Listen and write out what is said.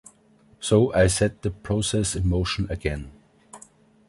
So I set the process in motion again.